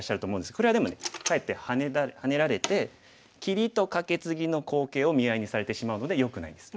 これはでもねかえってハネられて切りとカケツギの好形を見合いにされてしまうのでよくないんです。